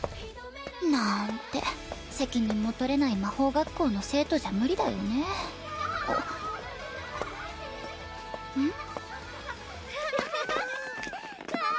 なーんて責任も取れない魔法学校の生徒じゃ無理だよねえうん？